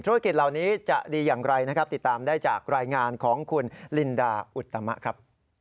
ธุรกิจเหล่านี้จะดีอย่างไรนะครับติดตามได้จากรายงานของคุณลินดาอุตมะครับ